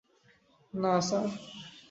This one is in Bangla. না, স্যার!